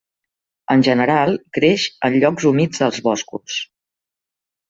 En general creix en llocs humits dels boscos.